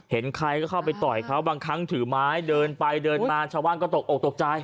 เห็นใครก็เข้าไปต่อยเขาบางครั้งถือไม้เดินไปเดินมาชาวบ้านก็ตกอกตกใจ